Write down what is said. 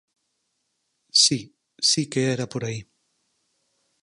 Si, si que era por aí.